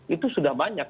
itu sudah banyak